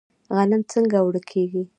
غنم څنګه اوړه کیږي؟